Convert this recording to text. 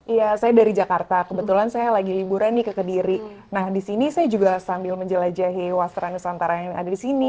iya saya dari jakarta kebetulan saya lagi liburan nih ke kediri nah disini saya juga sambil menjelajahi wasra nusantara yang ada di sini